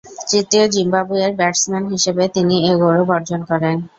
তৃতীয় জিম্বাবুয়ের ব্যাটসম্যান হিসেবে তিনি এ গৌরব অর্জন করেন।